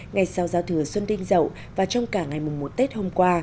ngày sau giao thừa xuân tinh dậu và trong cả ngày mùng một tết hôm qua